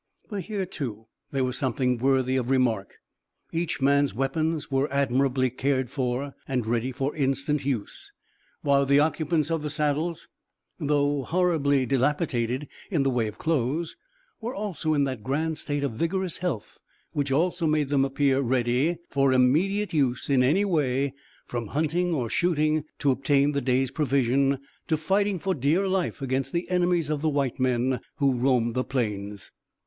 But here too there was something worthy of remark each man's weapons were admirably cared for and ready for instant use, while the occupants of the saddles, though horribly dilapidated in the way of clothes, were also in that grand state of vigorous health which also made them appear ready for immediate use in any way, from hunting or shooting to obtain the day's provision, to fighting for dear life against the enemies of the white men who roamed the plains.